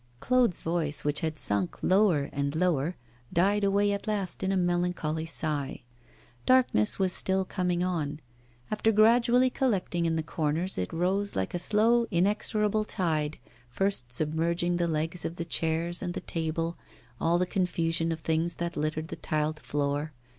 Claude's voice, which had sunk lower and lower, died away at last in a melancholy sigh. Darkness was still coming on; after gradually collecting in the corners, it rose like a slow, inexorable tide, first submerging the legs of the chairs and the table, all the confusion of things that littered the tiled floor.